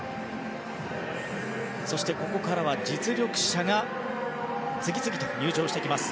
そして、ここからは実力者が次々と入場してきます。